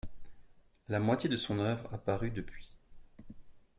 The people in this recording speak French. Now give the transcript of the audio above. La moitié de son œuvre a paru depuis.